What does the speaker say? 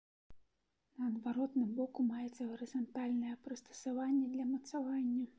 На адваротным боку маецца гарызантальнае прыстасаванне для мацавання.